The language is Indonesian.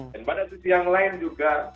dan pada sisi yang lain juga